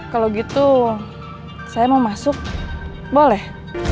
kalau gitu saya mau masuk boleh